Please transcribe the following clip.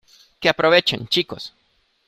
que aprovechen, chicos.